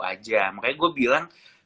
aja makanya gue bilang